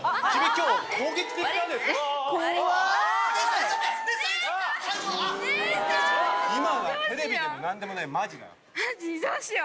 今のはテレビでもなんでもない、マジだよ。